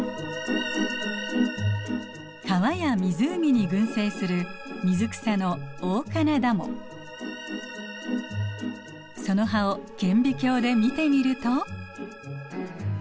川や湖に群生する水草のその葉を顕微鏡で見てみると。